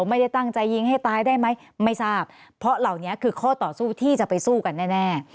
ไม่ได้ตั้งใจยิงให้ตายได้ไหมไม่ทราบเพราะเหล่านี้คือข้อต่อสู้ที่จะไปสู้กันแน่แน่